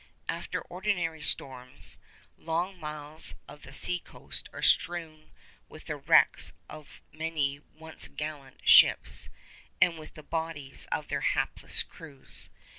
After ordinary storms, long miles of the sea coast are strewn with the wrecks of many once gallant ships, and with the bodies of their hapless crews.